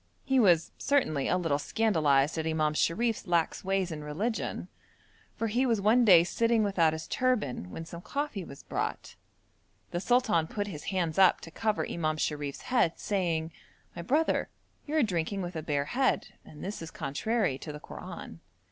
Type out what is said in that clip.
He was certainly a little scandalised at Imam Sharif's lax ways in religion, for he was one day sitting without his turban when some coffee was brought. The sultan put his hands up to cover Imam Sharif's head, saying: 'My brother, you are drinking with a bare head, and this is contrary to the Koran.'